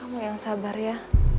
kamu yang sabar ya